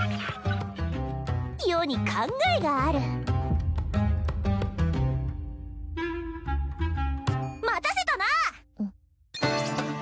余に考えがある待たせたな！